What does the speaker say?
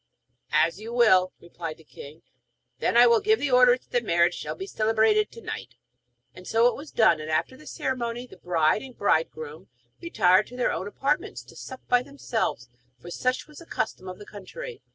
'As you will,' replied the king. 'Then I will give orders that the marriage shall be celebrated to night.' And so it was done; and after the ceremony the bride and bridegroom retired to their own apartments to sup by themselves, for such was the custom of the country.